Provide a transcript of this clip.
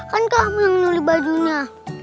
kan kamu yang nyuli bajunya